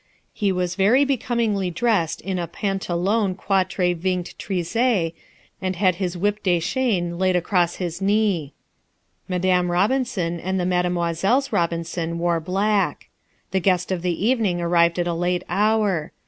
He was very becomingly dressed in a pantalon quatre vingt treize, and had his whippe de chien laid across his knee. Madame Robinson and the Mademoiselles Robinson wore black. The guest of the evening arrived at a late hour.